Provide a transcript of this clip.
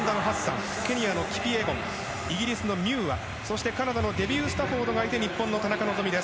イギリスのミューアそしてカナダのデビュー・スタフォードがいて日本の田中希実。